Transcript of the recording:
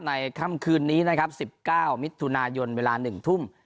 ในค่ำคืนนี้๑๙มิถุนายนเวลา๑ทุ่ม